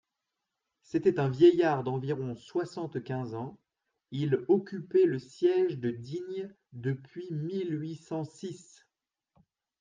C'était un vieillard d'environ soixante-quinze ans, il occupait le siège de Digne depuis mille huit cent six.